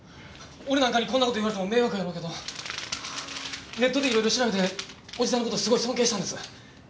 俺なんかにこんな事言われても迷惑やろうけどネットでいろいろ調べておじさんの事すごい尊敬したんです。